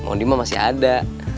mau dimo masih ada